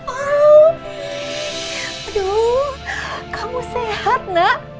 aduh kamu sehat nak